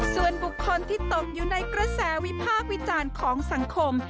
ส่วนบุคคลที่ตกอยู่ในกระแสวิพากษ์วิจารณ์ของสังคม